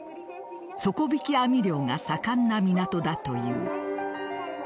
底引き網漁が盛んな港だという。